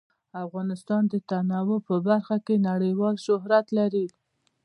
افغانستان د تنوع په برخه کې نړیوال شهرت لري.